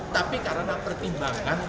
tapi karena pertimbangan